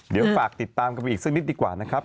เดี๋ยวฝากติดตามกันไปอีกสักนิดดีกว่านะครับ